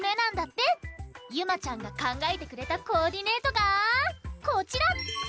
ゆまちゃんがかんがえてくれたコーディネートがこちら！